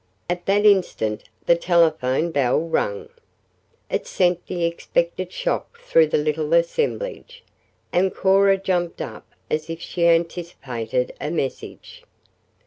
At that instant the telephone bell rang. It sent the expected shock through the little assemblage, and Cora jumped up as if she anticipated a message.